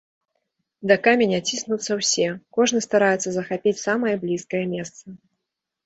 Да каменя ціснуцца ўсе, кожны стараецца захапіць самае блізкае месца.